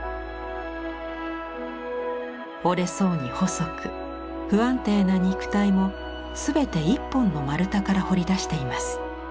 折れそうに細く不安定な肉体も全て一本の丸太から彫り出しています。